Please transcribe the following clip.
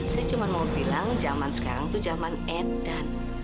saya cuma mau bilang zaman sekarang itu zaman edan